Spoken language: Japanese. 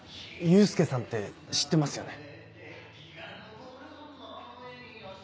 祐介さんって知ってますよね？